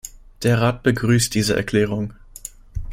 Der Rat begrüßt diese Erklärung.